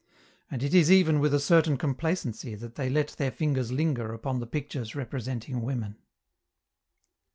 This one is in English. And it is even with a certain complacency that they let their fingers linger upon the pictures representing women.